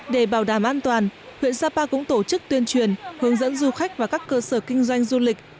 để bảo đảm an toàn huyện sapa cũng tổ chức tuyên truyền hướng dẫn du khách và các cơ sở kinh doanh du lịch